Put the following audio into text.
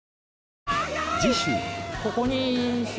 次週！